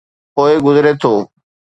پوءِ گذري ٿو.